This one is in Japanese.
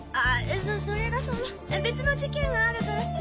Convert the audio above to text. それがその別の事件があるからって。